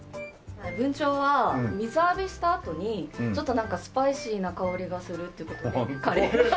ブンチョウは水浴びしたあとにちょっとなんかスパイシーな香りがするっていう事でカレーラーメン。